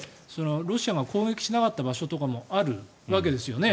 ロシアが攻撃しなかった場所とかもあるわけですよね。